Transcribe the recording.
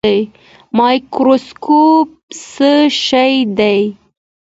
مایکروسکوپ څه شی دی؟